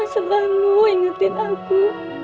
selalu ingetin aku